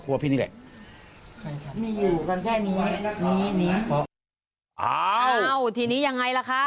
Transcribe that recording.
อ้าวทีนี้ยังไงล่ะคะ